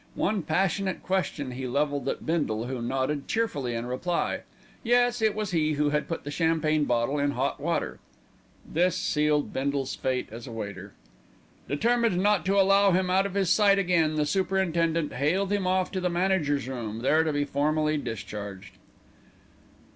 One passionate question he levelled at Bindle, who nodded cheerfully in reply. Yes, it was he who had put the champagne bottle in hot water. This sealed Bindle's fate as a waiter. Determined not to allow him out of his sight again, the superintendent haled him off to the manager's room, there to be formally discharged.